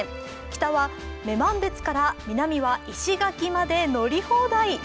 北は女満別から南は石垣まで乗り放題。